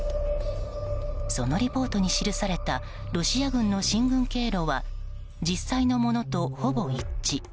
そのリポートに記されたロシア軍の進軍経路は実際のものと、ほぼ一致。